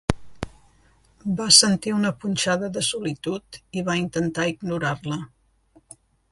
Va sentir una punxada de solitud i va intentar ignorar-la.